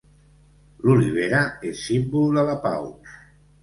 L'olivera és símbol de la pau.